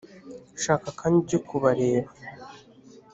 shaka akanya ujye kubareba